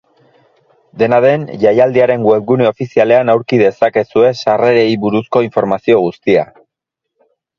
Dena den, jaialdiaren webgune ofizialean aurki dezakezue sarrerei buruzko informazio guztia.